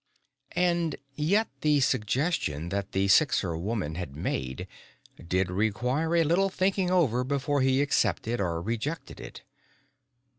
And yet, the suggestion that the Sixer woman had made did require a little thinking over before he accepted or rejected it.